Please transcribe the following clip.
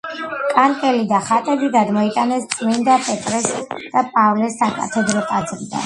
კანკელი და ხატები გადმოიტანეს წმინდა პეტრესა და პავლეს საკათედრო ტაძრიდან.